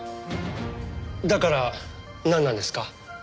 だからなんなんですか？